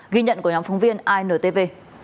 ghi nhận của nhóm phóng viên intv